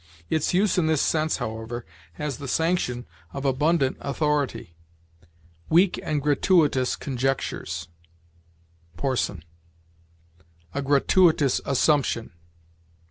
Its use in this sense, however, has the sanction of abundant authority. "Weak and gratuitous conjectures." Porson. "A gratuitous assumption."